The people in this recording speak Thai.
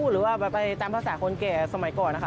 หรือว่าไปตามภาษาคนแก่สมัยก่อนนะคะ